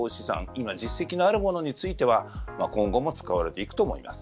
今、実績のあるものについては今後も使われていくと思います。